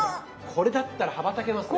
これだったら羽ばたけますね。